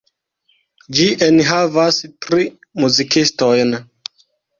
Ĝi enhavas tri muzikistojn.